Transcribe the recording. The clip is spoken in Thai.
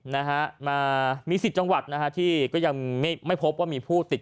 นะฮะมามีสิบจังหวัดนะฮะที่ก็ยังไม่ไม่พบว่ามีผู้ติด